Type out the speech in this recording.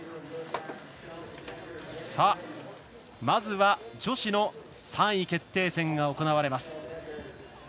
まずは、女子の３位決定戦が行われます。